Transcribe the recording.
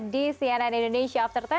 di cnn indonesia after sepuluh